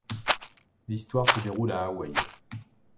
L'histoire se déroule à Hawaï.